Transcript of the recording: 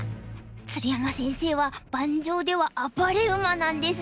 鶴山先生は盤上では「暴れ馬」なんですね。